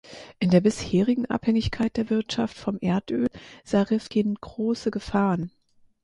In der bisherigen Abhängigkeit der Wirtschaft vom Erdöl sah Rifkin große Gefahren.